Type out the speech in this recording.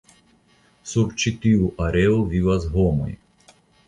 Sur ĉi tiu areo vivas homoj.